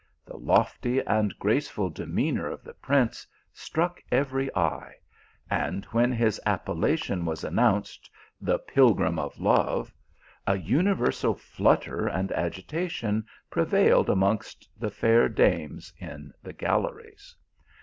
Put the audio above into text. The lofty and graceful demeanour of the prince struck every eye, and when his appellation was announced, " The pilgrim of love," a universal flutter and agitation prevailed among the fair dames in the galleries.